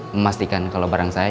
memastikan kalau barang saya